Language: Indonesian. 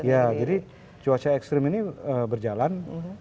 jadi cuaca ekstrim ini berjalan